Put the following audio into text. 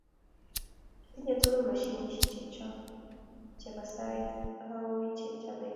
Kitinye tugul mashinik checho Che bo sait. Alak kowechech leet